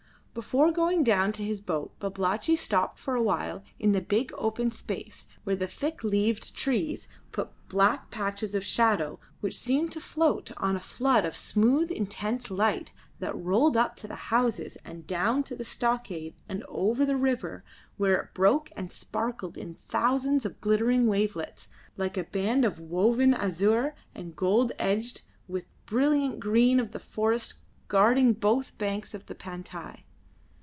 Before going down to his boat Babalatchi stopped for a while in the big open space where the thick leaved trees put black patches of shadow which seemed to float on a flood of smooth, intense light that rolled up to the houses and down to the stockade and over the river, where it broke and sparkled in thousands of glittering wavelets, like a band woven of azure and gold edged with the brilliant green of the forests guarding both banks of the Pantai.